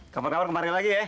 kabar kabar kembali lagi ya